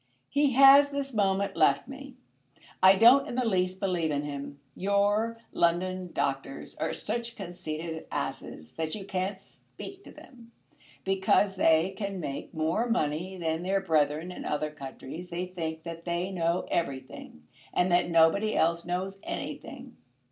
"He has this moment left me. I don't in the least believe in him. Your London doctors are such conceited asses that you can't speak to them? Because they can make more money than their brethren in other countries they think that they know everything, and that nobody else knows anything.